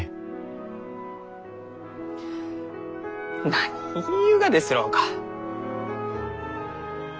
何言いゆうがですろうか。